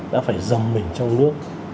đã phải dầm mình trong nước